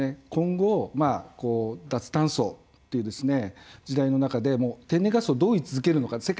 今後脱炭素という時代の中で天然ガスをどう位置づけるのか。